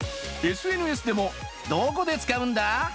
ＳＮＳでも、どこで使うんだ？